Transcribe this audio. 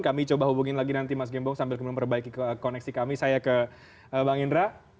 kami coba hubungin lagi nanti mas gembong sambil memperbaiki koneksi kami saya ke bang indra